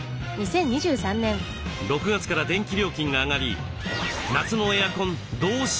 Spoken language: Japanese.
６月から電気料金が上がり夏のエアコンどうしようとか。